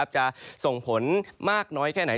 จะส่งผลมากน้อยแค่ไหน